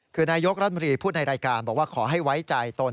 คือนายกรัฐมนตรีพูดในรายการบอกว่าขอให้ไว้ใจตน